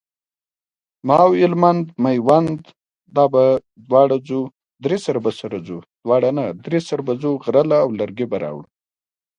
خلک د هغه د سندرغاړي کېدو څخه ډارېدل